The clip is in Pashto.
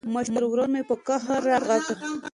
مشر ورور مې په قهر راغږ کړ.